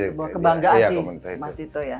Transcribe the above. kebanggaan sih mas dito ya